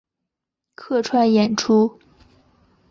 客串演出